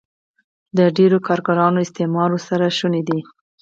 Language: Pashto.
د ډېرو کارګرانو استثمار ورسره شونی دی